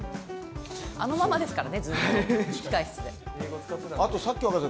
あのままですからねずっと控室で。